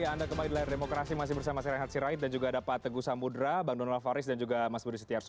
ya anda kembali di layar demokrasi masih bersama saya rehat sirait dan juga ada pak teguh samudera bang donald faris dan juga mas budi setiarso